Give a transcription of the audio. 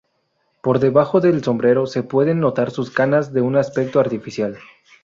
Por debajo del sombrero se pueden notar sus canas, de un aspecto artificial.